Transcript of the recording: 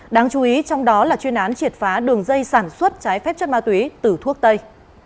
đáng chú ý trong đó là chuyên án triệt phá đường dây sản xuất trái phép chất ma túy từ thuốc tây